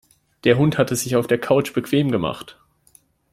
Der Hund hat es sich auf der Couch bequem gemacht.